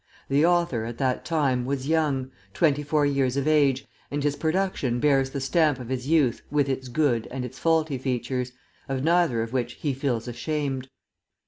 The author, at that time, was young, twenty four years of age, and his production bears the stamp of his youth with its good and its faulty features, of neither of which he feels ashamed.